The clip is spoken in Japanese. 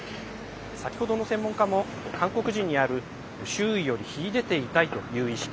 先ほどの専門家も、韓国人にある周囲より秀でていたいという意識